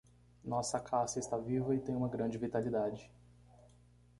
Nossa acácia está viva e tem uma grande vitalidade.